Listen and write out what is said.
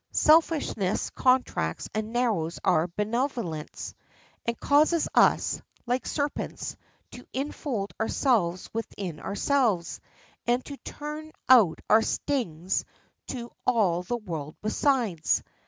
Selfishness contracts and narrows our benevolence, and causes us, like serpents, to infold ourselves within ourselves, and to turn out our stings to all the world besides.